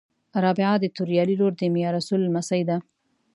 رابعه د توریالي لور د میارسول لمسۍ ده